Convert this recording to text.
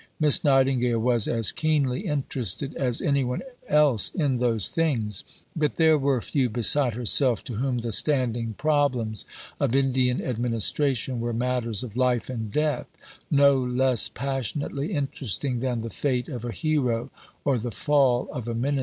Miss Nightingale was as keenly interested as any one else in those things; but there were few beside herself to whom the standing problems of Indian administration were matters of "life and death," no less passionately interesting than the fate of a hero or the fall of a ministry.